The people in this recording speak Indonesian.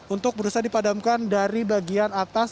untuk berusaha dipadamkan dari bagian atas